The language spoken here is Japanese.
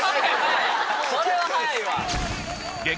それは早いわ。